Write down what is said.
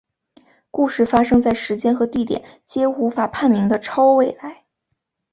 故事发生在时间和地点皆无法判明的超未来。